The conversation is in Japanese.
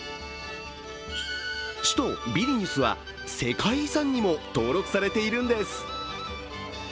首都ビリニュスは世界遺産にも登録されているんです。